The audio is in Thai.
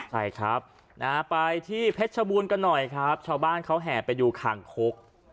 ใช่ครับนะฮะไปที่เพชรชบูรณ์กันหน่อยครับชาวบ้านเขาแห่ไปดูคางคก